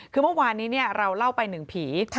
คือเมื่อวานนี้เราเล่าไปหนึ่งผี